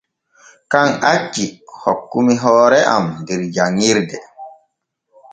Kan acci hokkumi hoore am der janŋirde.